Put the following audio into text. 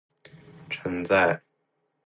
承载着一代人的记忆